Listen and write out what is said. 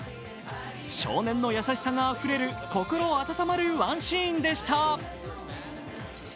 少年の優しさがあふれる心温まるワンシーンでした。